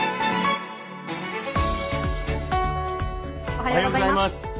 おはようございます。